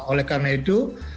oleh karena itu